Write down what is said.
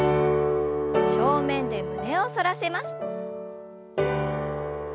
正面で胸を反らせます。